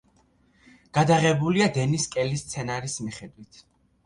გადაღებულია დენის კელის სცენარის მიხედვით.